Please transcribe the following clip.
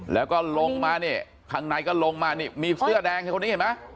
แล้วก็ลงมาข้างในก็ลงมามีเสื้อแดงของพวกนี้เห็นไหม